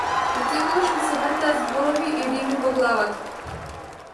Отсекогаш ми се вртеа зборови и рими во главата.